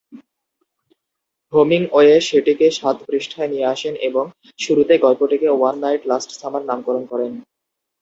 Hemingway সেটিকে সাত পৃষ্ঠায় নিয়ে আসেন এবং শুরুতে গল্পটিকে "ওয়ান নাইট লাস্ট সামার" নামকরণ করেন।